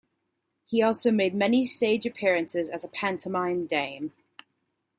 He also made many stage appearances as a pantomime dame.